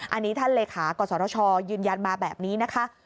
อันนี้ท่านเลขากศชยืนยันมาแบบนี้นะคะ